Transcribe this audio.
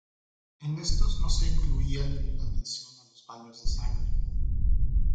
En estos no se incluía ninguna mención a los baños de sangre.